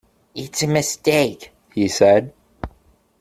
"It's a mistake," he said.